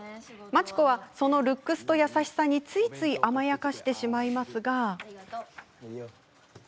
真知子はそのルックスと優しさについつい甘やかしてしまいますが。